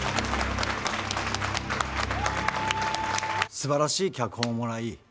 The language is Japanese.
すばらしい脚本をもらい